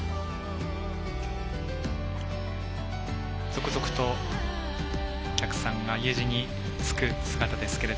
続々とお客さんが家路に着く姿ですが。